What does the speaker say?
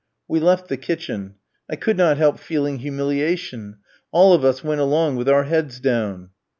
We left the kitchen. I could not help feeling humiliation; all of us went along with our heads down.